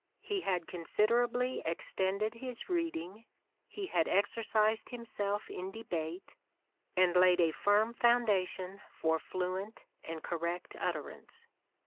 He had considerably extended his reading ; he had exercised himself in debate, and laid a firm foundation for fluent and correct utterance